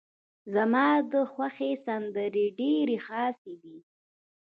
زما ده خوښې سندرې ډيرې خاصې دي.